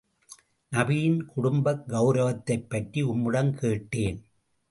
நபியின் குடும்பக் கெளரவத்தைப் பற்றி உம்மிடம் கேட்டேன்.